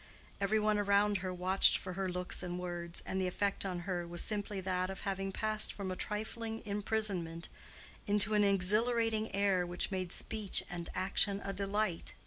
Every one around her watched for her looks and words, and the effect on her was simply that of having passed from a trifling imprisonment into an exhilarating air which made speech and action a delight.